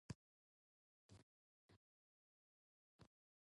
Created by Glen A. Larson and Christopher Crowe, the series stars Greg Evigan.